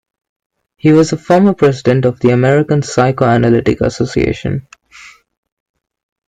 He was a former President of the American Psychoanalytic Association.